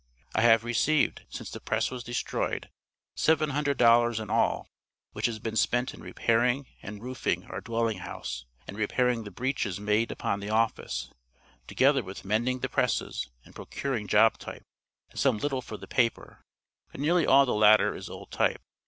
"I have received, since the press was destroyed, 700 dollars in all, which has been spent in repairing and roofing our dwelling house, and repairing the breaches made upon the office, together with mending the presses and procuring job type and some little for the paper, but nearly all the latter is old type.